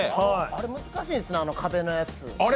難しいですね、壁のやつ。